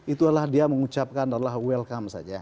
itulah dia mengucapkan adalah welcome saja